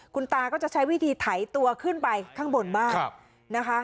คุณตาก็จะใช้วิธีไถตัวขึ้นไปข้างบนบ้างนะคะ